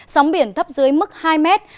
sóng biển thấp dưới mức hai mét